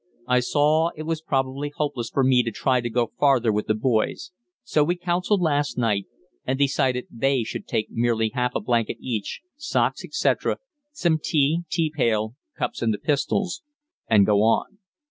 I saw it was probably hopeless for me to try to go farther with the boys, so we counselled last night and decided they should take merely half a blanket each, socks, etc., some tea, tea pail, cups and the pistols, and go on.